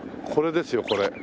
これですよこれ。